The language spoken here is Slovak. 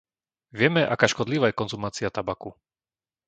Vieme, aká škodlivá je konzumácia tabaku.